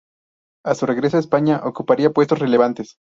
A su regreso a España ocuparía puestos relevantes.